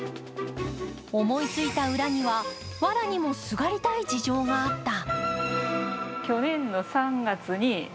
思いついた裏にはわらにもすがりたい事情があった。